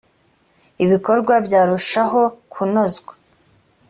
ibikorwa byarushaho kunozwa